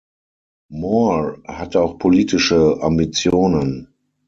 Moore hat auch politische Ambitionen.